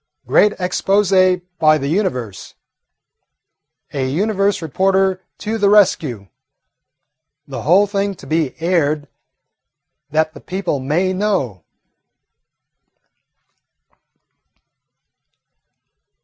Great Expose by the 'Universe'! A 'Universe' Reporter To the Rescue! The Whole Thing to Be Aired that the People may Know!"